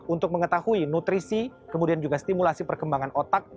untuk mengetahui nutrisi kemudian juga stimulasi perkembangan otak